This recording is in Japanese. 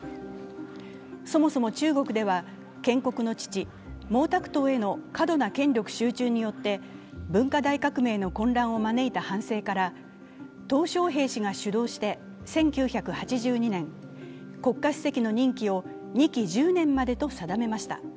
そもそも中国では建国の父・毛沢東への過度な権力集中によって文化大革命の混乱を招いた反省からトウ小平氏が主導して１９８２年、国家主席の任期を２期１０年までと定めました。